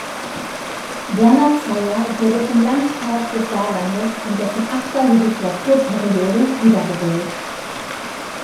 Werner Zeyer wurde vom Landtag des Saarlandes in dessen achter Legislaturperiode wiedergewählt.